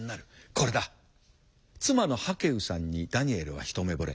妻のハケウさんにダニエルは一目ぼれ。